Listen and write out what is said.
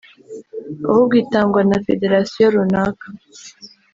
ahubwo itangwa na federasiyo runaka"